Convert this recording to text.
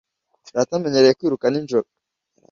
Data amenyereye kwiruka nijoro